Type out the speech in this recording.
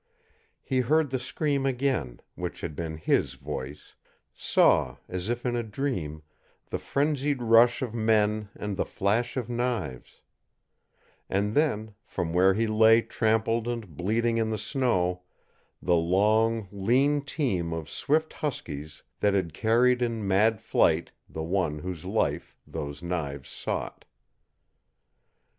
He heard the scream again, which had been HIS voice; saw, as if in a dream, the frenzied rush of men and the flash of knives; and then, from where he lay trampled and bleeding in the snow, the long, lean team of swift huskies that had carried in mad flight the one whose life those knives sought.